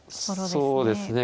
そうですね。